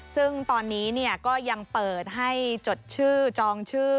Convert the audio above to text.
ซึ่งตอนนี้ก็ยังเปิดให้จดชื่อจองชื่อ